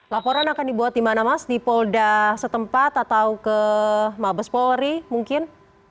laporan akan dibuat di mana mas di polda setempat atau ke mabes polri mungkin